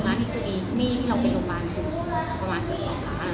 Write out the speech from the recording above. นี่คือหนี้ที่เราเป็นโรงพยาบาลประมาณเกือบสองล้าน